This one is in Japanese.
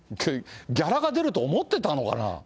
ギャラが出ると思ってたのかな？